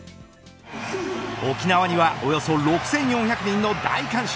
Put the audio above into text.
沖縄にはおよそ６４００人の大観衆。